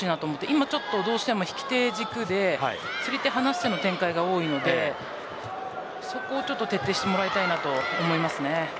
今は引き手が軸で釣り手を離しての展開が多いのでそこを徹底してもらいたいと思います。